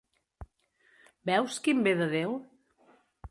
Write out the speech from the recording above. Veus, quin bé de Déu?